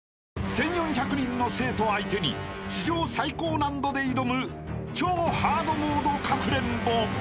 ［１，４００人の生徒相手に史上最高難度で挑む超ハードモードかくれんぼ］